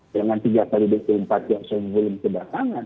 dengan tiga x dua puluh empat jam sebelum kedatangan